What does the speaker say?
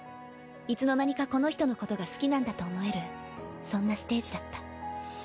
いつのまにかこの人のことが好きなんだと思えるそんなステージだった。